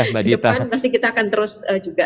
masih kita akan terus juga